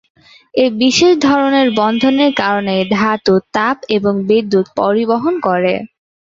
এই বিশেষ ধরনের বন্ধনের কারণেই ধাতু তাপ এবং বিদ্যুৎ পরিবহন করে।